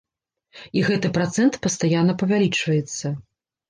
І гэты працэнт пастаянна павялічваецца.